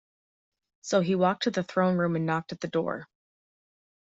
So he walked to the Throne Room and knocked at the door.